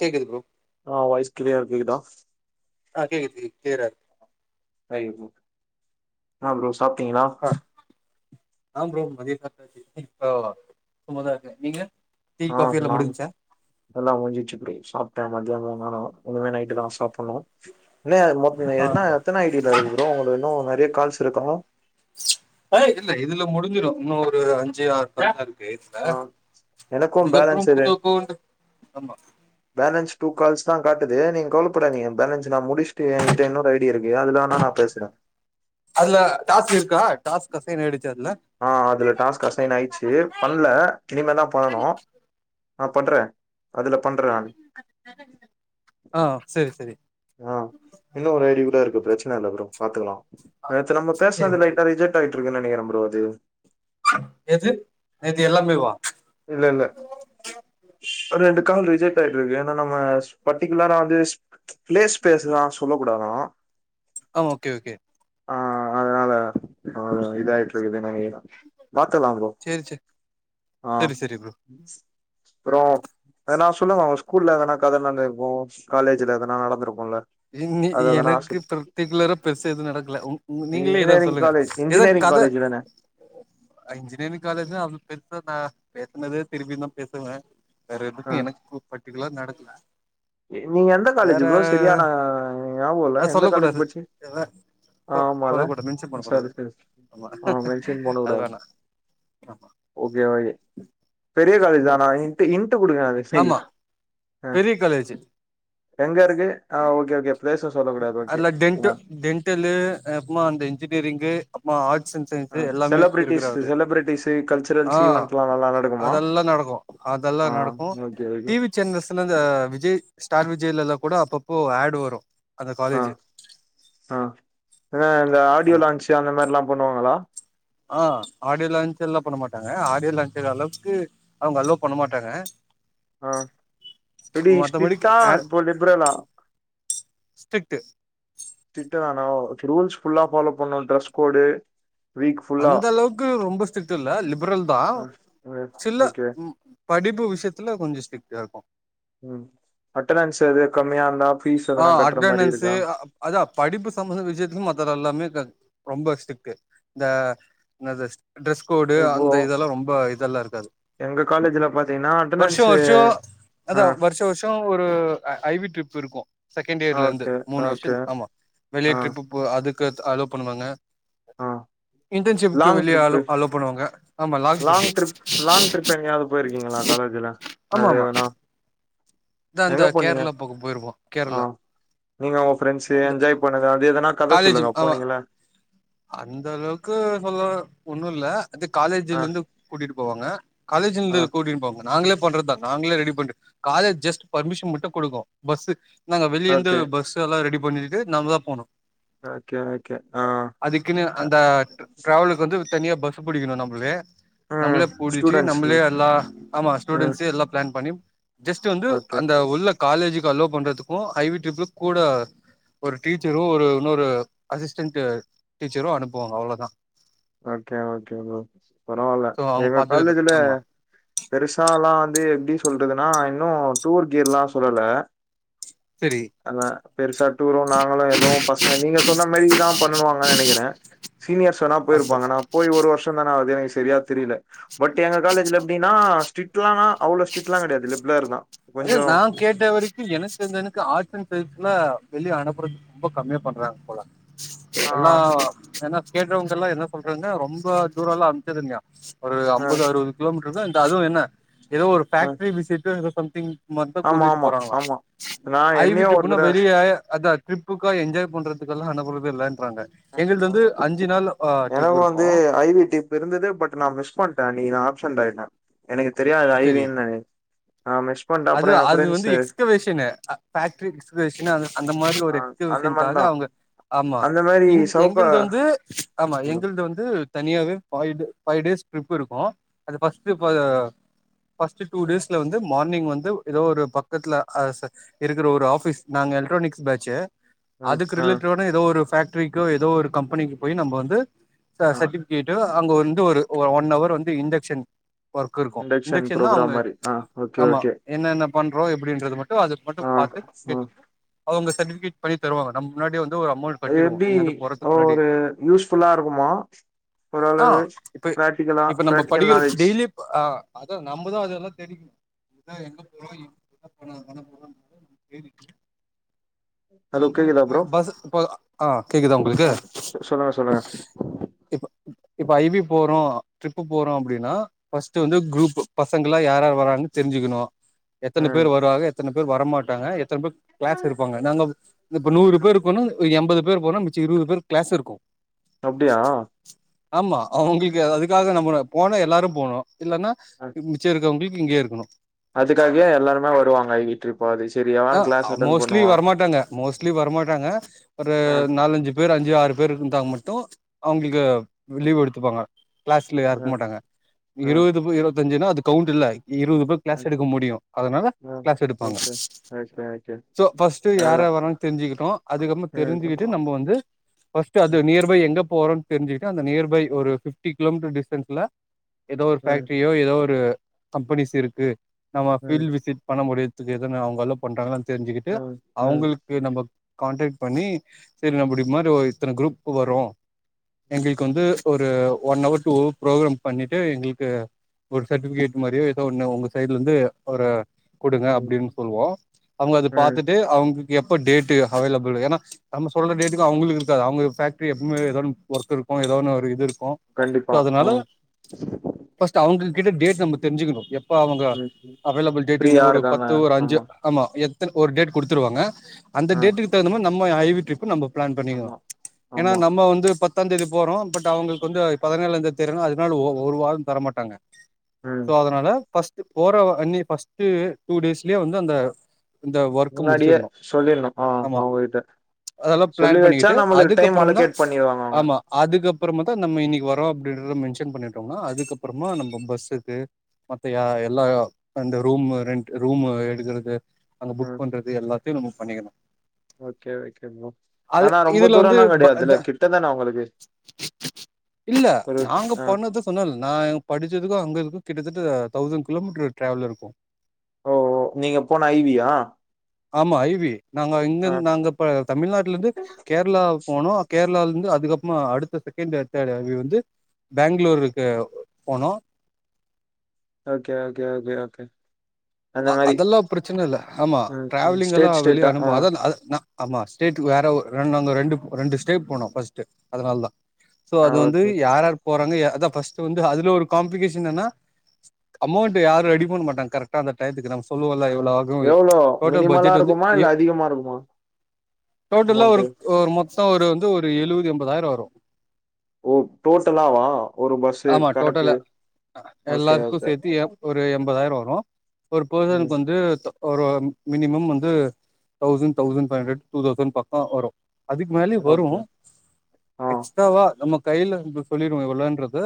கேக்குது ப்ரோ ஆ வாய்ஸ் கிளியர கேக்குதா ஆ கேக்குது கேக்குது கிளியரா இரு ஹாய் ப்ரோ சாப்ட்டீங்களா? ஆ ஆ ப்ரோ மதிய சாப்ட்டாச்சு [unintelligible] சும்மாதா இருக்கே நீங்க? டீ ஆ காஃபி இங்க எல்லா நான் முடிஞ்ச்சா எல்லா முடிஞ்சிச்சி ப்ரோ சாப்பிட்டே மத்யானோ [unintelligible] இனிமே நைட்டுதா சாப்புடணு இன்னு மொத் ஆ இன்னா எத்தன ஐ டி ல இருக்குது ப்ரோ உங்களது இன்னு நெறைய கால்ஸ் இருக்கா இன்னு ஆ இல்ல இதுல முடிஞ்சிரு இன்னு ஒரு அஞ்சு ஆறு கால்தா இரு ஆ எனக்கு பேலன்ஸ் இது புது அக்கௌண்ட் ஆமா பேலன்ஸ் டூ கால்ஸ் தா காட்டுது நீங்க கவலப்படாதீங்க பேலன்ஸ் இது நா முடிச்சுட்டு என்கிட்ட இன்னொரு ஐ டி இருக்கு அதுல வேண்ணா நா பேசுறே அதுல டாஸ்க் இருக்கா டாஸ்க் அசைன் ஆயிடு ஆ அதுல டாஸ்க் அசைன் ஆயிட்ச்சு பண்ல இனிமேதா பண்ணனு. ஆ பண்றே அதுல பண்றே நானு ஆ செரி செரி ஆ இன்னு ஒரு ஐ டி கூட இருக்கு பிரச்சன இல்ல ப்ரோ பாத்துக்கலா ஆ நேத்து நம்ம செரி பேசுனது செரி லைட்டா ரிஜக்ட் ஆயி ட்ருக்குனு நெனைக்கிறே ப்ரோ அது எது நேத்து எல்லாமேவா? இல்ல இல்ல அ ரெண்டு கால் ரிஜெக்ட் ஆயி இது ஏன்னா நம்ம பர்டிகுலரா வந்து பிளேஸ் ஸ்பேஸ்லா சொல்லக்கூடாதா ஆ ஓகே ஓகே ஆ அதனால ஆ இதாய்ட்ருக்குதுன்னு நெனைக்கிற பாக்கலா ப்ரோ செரி செரி செரி செரி ப்ரோ அப்றோ எதனா சொல்லுங்க உங்க ஸ்கூல்ல எதனா கத நடந்திருக்கு காலேஜ்ல எதனா நடந்திருக்குல்ல இன்னக்கி அது எதனா எனக்கு சொல்லு. பர்டிக்குலரா பெர்சா எதுவு நடக்கல உன் ம் நீங்களே எதாவது இன்ஜினியரிங் சொல்லுங்க காலேஜ் எதாவது இன்ஜினியரிங் கத காலேஜ் தான அ இன்ஜினியரிங் காலேஜ்தா அவ்ளோ பெரி இன்னொருக்கா பேசுனதே திரும்பி இன்னா பேசுங்க வேற ஆ எதுக்கு எனக்கு பர்டிகுலர் நடக்கல நீங்க எந்த வேற காலேஜு ப்ரோ செரியான என ஞாபகொல்ல அது எந்த சொல்ல காலேஜ் கூடாது படுச்சிங்க எதா சொ ஆமால்ல சொல்லக்கூடாது மென்ஷன் சாரி பண்ணக்கூடாது சாரி ஆமா ஆ மென்ஷன் பண்ண அது கூடாது வேணா ஆமா ஓகே ஓகே பெரிய காலேஜ் தா ஆ இன்ட்டு இன் ட்டு குடுங்க அது சை ஆமா பெரிய காலேஜு எங்கருக்கு ஆ ஓகே ஓகே பிளேஸும் சொல்லக்கூடாது ஓகே அதுமா டென்ட ஆ டென்டலு அப்பமா வந்து இன்ஜினியரிங்கு அப்மா ஆ ட்ஸ் அன்‌ ஆ சயின்ஸு எல்லாமே இருக்குற செலிபிரிட்டிஸ் ஒரு செலிபிரிட்டிஸ் கல்ச்சுரல்ஸ் ஆ ஈவெண்ட்லாம் நல்லா நடக்குமா அதல்லா நடக்கு அதல்லா ஆ நடக்கு ஓகே டி ஓகே வி சேனல்ஸ்னா இந்த விஜய் ஸ்டார் விஜய்லல்லா கூட அப்பப்போ ஆடு வரு அந்த ஆ காலேஜு ஆ இந்த ஆடியோ ஆமா லான்ச்சு அந்த மாரில்லா பண்ணுவாங்களா ஆ ஆடியோ லான்ச் எல்லா பண்ண மாட்டாங்க ஆடியோ லான்ச் செய்ற அளவுக்கு அவுங்க அலவ் பண்ண மாட்டாங்க ஆ எப்டி மத்தபடிக்கு ஸ்டிட்டா? ஆன் இப்போ லிப்ரலா? ஸ்ட்ரிக்ட் ஸ்ட்ரிக்ட்டு தானோ ஓகே ரூல்ஸ் ஃபுல்லா ஃபாலோ பண்ணு ட்ரெஸ் கோடு வீக் ஃபுல்லா அந்தளவுக்கு ரொம்ப ஸ்ட்ரிக்ட் இல்ல லிபரல் தா சில ஓகே படிப்பு விஷயத்துல கொஞ்சொ ஸ்ட்ரிக்டா இரு ம் அட்டனன்ஸ் எது கம்மியாருந்தா ஆ அட்டனன்ஸு அதா படிப்பு சம்பந்த விஷ்யத்துக்கு மத்தது எல்லாமே ரொம்ப ஸ்டிக்கு இந்த என்னது ட்ரெஸ் கோடு இப்போ அந்த இதெல்லா ரொம்ப இதெல்லா இருக்காது எங்க காலேஜ்ல பாத்தீங்கன்னா வர்ஷொ அட்டனன்ஸு வர்ஷொ அதா ஆ வர்ஷொ வர்ஷொ ஒரு ஐ வி ட்ரிப் இருக்கு செகண்ட் இயர்லெந்து ஓகே மூணு வருஷ ஓகே ஆமா வெளிய ஆ ட்ரிப்பு போ அ துக்கத் அலோ பண்ணுவாங்க ஆ இன்டர்ன்ஷிப்க்கு லாங் வெளிய அலோ ட்ரிப்பு அலோ பண்ணுவாங்க ஆமா லாங்ட்ரிப்பு போய்ருக்கீங்களா காலேஜ்ல அது எதனா இதா இந்த எங்க போனீங்க கேரளா பக்கோ போயிருப்போ ஆ கேரளா நீங்க ஒங்க ஃபிரண்ட்ஸூ இந்த என்ஜாய் பண்ணது அது எதனாத் கத சொல்லுங்க போனீங்கல அந்தளவுக்கு சொல்ல ஒன்னுல்ல அது ஆ காலேஜுலெந்து கூட்டிட்டு போவாங்க ஆ காலேஜுல்ந்து கூட்டிட்டு போங்க நாங்களே பண்றத்தா நாங்ளே ரெடி பண்டு காலேஜ் ஜெஸ்ட் பர்மிஷன் மட்டு குடுங்கோ பஸ்ஸூ நாங்க வெளிய இந்து ஓகே பஸ் எல்லா ரெடிப் பண்ணிட்டு நம்தா போனு ஓகே ஓகே ஆ அதுக்குன்னு அந்த டிர டிரவலுக்கு வந்து தனியா பஸ் புடிக்கிணு நம்பளே ம் நம்பளே புடிச்சி ஸ்டூடெண்ட்ஸு நம்பளே எல்லா ஆமா ம் ஸ்டூடெண்ஸூ எல்லா பிளான் பண்ணி ஜெஸ்ட் வந்து ஓகே அந்த உள்ள காலேஜுக்கு அலேவ் பண்றதுக் ஓ ஐ வி ட்ரிப்ல கூட ஒரு டீச்சரும் ஒரு இன்னொரு அசிஸ்டன்டு டீச்சரும் அனுப்புவாங்க அவ்ளோ தா ஓகே ஓகே ப்ரோ பரவால சோ அவங்க எங்க பாத்துக்கது காலேஜ்ல ஆமா பெருசாலா வந்து எப்டி சொல்றதுனா இன்னு டூர் கீர்லா சொல்லல சரி அன்னா பெருசா டூர்ரும் நாங்களு எதுவு பசங்க நீங்க சொன்ன மாரி தா பண்ணுவாங்கன்னு நெனைக்கிற சீனியர்ஸ் வேனா போய்ருப்பாங்க நா ஓகே போய் ஒரு வருஷோ தான் நாவது எனக்கு சரியா தெரில பட் எங்க காலேஜ்ல எப்டின்னா ஸ்டிட்லானா அவுளோ ஸ்டிட்லா கெடையாது லிப்லர் தா ஏ கொஞ்சோ நா கேட்ட வரிக்கி எனக்கு அந்த அண்ணன்க்கு ஆட்சன் [unintelligible] வெளிய அனுப்புறது ரொம்ப கம்மியா பண்றாங்க போல ஆ எல்லா எனஃப் கேட்டவுங்ககிட்டலா என்ன சொல்றாங்க ரொம்ப தூரோலா அனுப்சதில்லையா ஒரு அ ஐம்பது அறுவது கிலோமீட்டர் தா ட அதுவு என்ன எதோ ஒரு அ ஃபேக்ட்ரி விசிட்டோ எதோ திங் மட்ட ஆமா கூட்டிட்டு ஆமா போறாங்களா ஆமா நா ஐ வி என்னையு ஒரு ட்ரிப்னா தடவ பெரிய ஆய அதான் ட்ரிப்புக்கோ என்ஜாய் பண்றதுக்கெல்லா அனுப்புறதே இல்ல ட்ரிப் எனக்கும் வந்து இருக்கு ஐ வி டிப் இருந்தது பட் நா மிஸ் பண்ட அன்னக்கி நாப் [unintelligible] எனக்கு தெரியாது செரி ஐவின்னனு ஆ மிஸ் பண்ட்டா அது அப்றோ என் அது வந்து ஃபிரெண்ட்ஸு என்ன அது அந்த மாரி ஒரு எக்ஸ்க்ளூஷன்காக அவுங்க ஆமா அந்த மாரி எங் சவுக்கா எங்கிள்து வந்து ஆமா எங்கிள்து வந்து தனியாவே பாய்து ஃபைவ் டேஸ் டிரிப் இருக்கு அது ஃபஸ்ட்டு இப்போ ஃபஸ்ட் டூ டேஸ்ல வந்து மார்னிங் வந்து எதோ ஒரு பக்கத்துல ஆ ச இருக்குற ஒரு ஆஃபீஸ் நாங்க எலக்ட்ரானிக்ஸ் பேச்சு ஆ அதுக்கு ஆ ரிலேட் ஆன எதோ ஒரு ஃபேக்ட்ரிக்கோ எதோ ஒரு கம்பனிக்கி போயி நம்ப வந்து ஆ சர்டிஃபிகேட்டோ அ அங்க வந்து ஒரு ஒ ஒன் ஹவர் வந்து இன்டெக்‌ஷன் ஒர்க் இருக்கு இண்டக்ஷன் இன்டெக்‌ஷன்னா அவங்க ப்ரோக்ராம் மாரி ஆ ஓகே ஆமா ஓகே என்னென்ன பண்றோ எப்டின்றத மட்டு அத மட்டு ஆ பாத்து ஆ கேட்டு அவங்க சர்ட்டிஃபிகேட் பண்ணித் தருவாங்க நம்ம முன்னாடியே வந் அது எப்டி அது ஒரு யூஸ்ஃபுல்லா இருக்குமா ஆ ஓரளவு இப்ப பிராக்டிகலா பிராக்டிகல் நாலேஜ் அதா நம்பதான் அதெல்லா தேடிக் அதா எங்க போறோ [inaudible] பண்ண போறோ [inaudible] ஹலோ நம்பளே கேக்குதா ப்ரோ போய் பஸ்ஸு இப்ப ஆ கேக்குதா உங்களுக்கு? ஆ சொல்லுங்க சொல்லுங்க இப் இப்ப ஐ வி போறோ ட்ரிப்பு போறோ அப்பிடின்னா ஃபஸ்ட்டு வந்து குரூப்பு பசங்கல்லா யார் யார் வர்றாங்கன்னு தெரிஞ்சுக்கணு எத்தன ம் பேர் வராக எத்தன பேர் வர மாட்டாங்க எத் தன பேர் கிளாஸ்ல இருப்பாங்க நாங்க இப்ப நூறு பேர் இருக்கோன்னா அ எம்பது பேர் போனா மிச்சோ இருபது பேர்க்கு கிளாஸ் இருக்கு. அப்டியா? ஆமா அவங்களுக்கு அது அதுக்காக நம்ம போனா எல்லாரு போகணு இல்லன்னா மி மிச்சம் இருக்கவங்கள் இங்கயே இருக்கணு அதுக்காகவே எல்லாருமே வருவாங்க ஐ வி ட்ரிப் போறது செரி எவ ஆ க்ளாஸ் அட்டன் மோஸ்ட்லி பண்ணுவா வரமாட்டாங்க மோஸ்ட்லி வரமாட்டாங்க. ஒரு ஆ நாலஞ்சி பேரு அஞ் சு ஆறு பேர் இருந்தா மட்டு அவங்களுக்கு லீவ் எடுத்துப்பாங்க கிளாஸ்ல யாரு ஆ இருக்க மாட்டாங்க ஆ இருபது பே இர செஞ்சேனா அது கவுண்ட் இல்ல இருபது பேர் ஆ கிளாஸ் எடுக்க முடியு அதனால ஆ கிளாஸ் எடுப்பாங்க okay okay okay so first யாரு அதா வராங்கனு தெரிஞ்சுக்கிட்டோ அதுக்கபருமா ம் தெரிஞ்சுக்கிட்டு நம்ம வந்து பஸ்ட்டு அது ம் நியர்பை எங்க போறோன் தெரிஞ்சுகிட்டு அந்த நியர்பை ஒரு பிப்டி கிலோமீட்டர் டிஸ்டன்ஸ்ல ஏதோ ஒரு ம் ஃபேக்ரியோ ஏதோ ஒரு கம்பனிஸ் இருக்கு நம்ம ம் ஃபீல்டு விசிட் பண்ண முடியும் [unintelligible] தெரிஞ்சுக்கிட்டு ம் ம் அவுங்களுக்கு நம்ப கான்டாக்ட் பண்ணி சரி ந முடி மாரி இத்தன குரூப்கு வரு ம் எங்களுக்கு வந்து ஒரு ஒன் ஹவர் டூ ப்ரோக்ராம் பண்ணிட்டு எங்களுக்கு ஒரு சர்டிஃபிகேட் மாரியோ ஏதோ ஒன்னு உங்கள் சைட்லருந்து ஒரு குடுங்க ம் அப்டின்னு சொல்லுவோ அவுங்க அத ம் பாத்துட்டு எப்போ டேட்டு அவேளபள் ஏனா நம்ம சொல்ற டேட்டுக்கு அவுளுக்கு இருக்காது அவுங்க ஃபேக்ரி எப்பவுமே எதானு ஒர்க் இருக்கு எதானு ஒரு இது இருக்கு இருக்கோ சோ கண்டிப்பா அதனால ம் பஸ்ட் அவுங்களுக்கு கிட்ட டேட் நம்ப தெரிஞ்சுக்கனு இப்ப அவுங்க ம் அவலேபிள் டேட்டுனு ஃப்ரீயா ஒரு இருக்காங்க. பத்து ஒரு அஞ்சு ஆமா ஒரு டேட் குடுத்துருவாங்க அந்த ஆ டேட்டுக்கு தகுந்த மாரி நம்ம ஐ க்கு நம்ப பிளான் பண்ணிக்குவோ ஆமா ஏனா ஆமா நம்ப வந்து பத்து பத்தாந்தேதி போறோ பட் அவுங்களுக்கு வந்து அது பதினேழா தேதி தெர்லனா அதனால ஒரு ஒரு வார தரமாட்டாங்க ம் சோ அதனால பஸ்ட் போறவ அன்னி ஃபஸ்ட்டு டூ டேஸ்லே வந்து அந்த இந்த ஒர்க் முன்னாடியே முடிச்சிருனு சொல்லிர்ணு ஆ ஆமா அவுங்ககிட்ட அதெல்லா சொல்லி பிளான் வச்சா பண்ணிட்டு நம்மளுக்கு டைம் அதுக்கப்புற தா அலோகேட் பண்ணிருவாங்க அவுங்க ஆமா அதுக்கப்புறம தா நம்ம இன்னைக்கு வரோ மென்ஷன் பண்ணிட்டோம்னா அதுக்கப்புறமா நம்ம பஸ்ஸுக்கு மத்த எல்லா ரெண்டு ரூம்மு எடுக்குறது அங்க ம் புக் எல்லாத்தையு நம்ம பண்ணிக்கினு ஓகே ஓகே ப்ரோ ஆனா ரொம்ப இதுல வந்து தூரலா ப கெடையாது இல்ல த கிட்டதான உங்களுக்கு இல்ல ஒரு நாங்க ஆ பண்ணது சொன்னல நா படிச்சதுக்கு அங்கதுக்கு கிட்டத்தட்ட தௌசண்ட் கிலோமீட்டரு டிராவல்ல இருக்கும் ஓ ஓ நீங்க போன ஐவியா ஆமா ஐவி நாங்கோ இங்க நாங்க இப்ப தமிழ்நாட்டுல இருந்து கேரளா போனோ கேரளால இருந்து அதுக்கப்பம அடுத்த செகண்ட் தேடி அவி வந்து பேங்களூருக்கு போனோ ஓகே ஓகே ஓகே ஓகே அந்த மாரி அதெல்லா பிரச்சன இல்ல ஆமா ம் ம் டிராவலிங் எல்லா ஸ்டேட் வெளியே ஸ்டேட்டா ஆ அனுபவ அதா நா ஆமா ஸ்டேட்டு வேற ஒ ரெண்டு நாங்க ரெண்டு ரெண்டு ஸ்டேட் போனோம் பர்ஸ்ட்டு அதனால தா சோ ஆ அது வந்து ஓகே யார் யாரு போறாங்கா அதா பஃர்ஸ்ட் து வந்து அதுல ஒரு காம்ளிகேஷன் என்னனா அமௌண்ட் யாரு ரெடி பண்ண மாட்டாங்க கரெட்டா டைத்துக்குதா சொல்லுவ இல்ல ஆ இவ்ளோ ஆகும் எவ்ளோ போட்ட மினிமலா பட்ஜெட் வந்து இருக்குமா ஏ இல்ல அதிகமா இருக்குமா டோட்டலா ஒரு அமௌண்ட்டு ஒரு மொத்த ஒரு து ஒரு எழுவது எம்பதாயிரம் வரும் ஓ டோட்டலாவா ஒரு பஸ்ஸு ஆமா கணக்கு டோட்டலா ஓகே எல்லாருக்கு ஓகே சேத்தி எ ஒரு எம்பதாயிரோ வரு ஒரு ம் பர்சனுக்கு வந்து ஒரு மினிமம் வந்து thousand thousand five hundred two thousand பக்கம் வரும் அதுக்கு மேலயும் வரும் ஓகே ஆ எக்ஸ்ட்ராவா நமக்கு கையில இருந்து சொல்லிடுவோம் இவ்வளோன்றத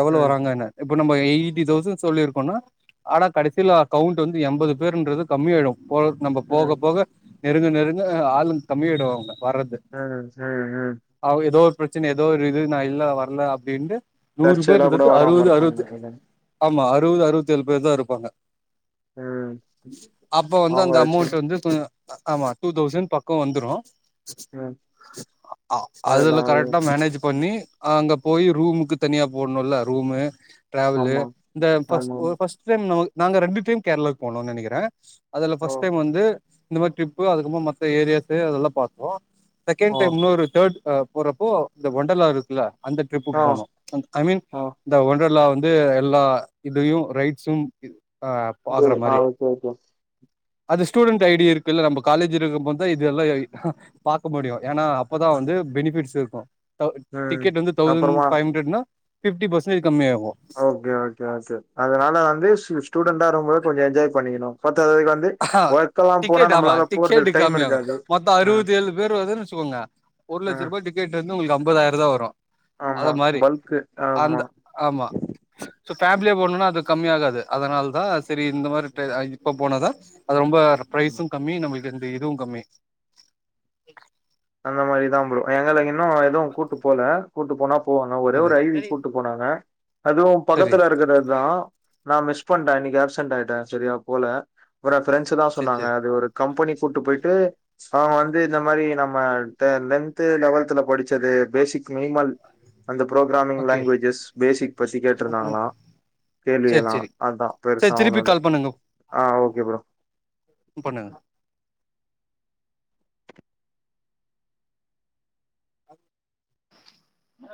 எவ்ளோ ம் வராங்கன்னு இப்ப நம்ம எயிட்டி தௌசண்ட் சொல்லி இருக்கோனா ஆனா கடைசில கவுண்ட் வந்து எண்பது பேருன்றது கம்மிய ஆயிடும் போரட் நம்ப போக ம் போக நெருங்க நெருங்க ஆளும் கம்மி ஆயிடுவாங்க வரது ம் ம் ம் அவ ஏதோ பிரச்சனை ஏதோ ஒரு இது நான் இல்ல வரல அப்டின்ட்டு நூறு பேரு தற்செயலா கூட இருந்தது வராம அறுவது இருக்கும் அறுவது நெனைக்கிறே ஆமா அறுவது அறுவத்தி ஏழு பேர் தான் இருப்பாங்க ம் அப்ப வந்து அந்த ஆமாச்சு அமௌண்ட்டு வந்து ஆமா டூ தௌசண்ட் பக்கம் வந்துரும் ம் அ அதுதா அதுல அதுதா கரெக்டா மேனேஜ் பண்ணி அங்க போய் ரூமுக்கு தனியா போடணுல்ல ரூமு டிராவலு ஆமா இந்த ஃபஸ்ட் ஆமா ஃபஸ்ட்டைம் நம நாங்க ரெண்டு டைம் கேரளாவுக்கு போனோன்னு நெனக்குறே அதுல ஓ ஃபஸ்ட் டைம் வந்து இந்த மாரி ட்ரிப்பு அதுக்கப்றோ மத்த ஏரியாஸ்ஸு அதெல்லா பாத்தோ செகண்ட் ஓ டைம் நூரு தேர்ட் அ போறப்போ இந்த ஒண்டர்லா இருக்குல அந்த ட்ரிப்புக்கு ஆ போனு ஐ மீன் ஆ இந்த ஒண்டர்லா வந்து வந்து எல்லா இதயு ரைட்ஸும் ஆ பாக்குற ஆ மாரி ஓகே ஓகே அது ஸ்டூடண்டட் ஐடி இருக்கு இல்ல நம்ம காலேஜ் இருக்கு போது தா இதெல்லா பாக்க முடியு ஏனா அப்பதா ம் வந்து பெனிபிட்ஸ் இருக்கு ஒ ம் டிக்கெட் வந்து தௌசண்ட் அப்புறமா பைவ் ஹண்ட்ரட்னா fifty percentage okay - okay - okay அதனால வந்து ஸூடெண்டா இருகம்போதே கொஞ்ஜோ எண்ஜாய் பண்ணிகனு மத்தது [unintelligible] அஹ டிக்கெட் ஆமா டிக்கெட்டு டைம் கம்மியாகு இருக்காது மொத்த ஆ அறுவத்தி ஏழு பேர்வர்துவெச்சுக்கோங்க ஒரு ஆ லட்ச ரூபா டிக்கெட் உங்களுக்கு அம்பதாயிர தா வரு அத ஆமா மாரி பல்க்கு அந்த ஆமா ஆமா சோ இத்லியே போனோனா அது கம்மியாகாது அதனால தா செரி இந்த மாரி இப்ப போனாதா அது ரொம்ப ப பிரைஸும் கம்மி நம்மளுக்கு இதுவு கம்மி அந்த மாரிதா ப்ரோ எங்களுக்கு இன்னு எதுவு கூட்டு போல கூட்டு போனா போவாங்க ஒரே செரி ஒரு ஐ வி கூட்டு போனாங்க அதுவு செரி பக்கத்தல இருக்குறது தா நா மிஸ் பண்டே அன்னிக்கு ஆப்சென்ட் ஆய்டே சரியா போல ஓட பிரெண்ஸுதா செரி சொன்னாங்க செரி அது ஒரு கம்பனி கூட்டு போய்ட்டு அவங்க வந்து இந்த மாரி நம் அ டெ லென்து லெவெல்துல படிச்சது பேசிக் மினிமல் அந்த ப்ரோகிராமிங் ஓகே லாங்வேஜஸ் பேசிக் பத்தி கேட்ருந்தாங்களா செரி கேள்வியலாம் செரி அதா செரி பெருசா திருப்பி ஒண்ணும்ல கால் பண்ணுங்க ஆ ஓகே ப்ரோ பண்ணுங்க அ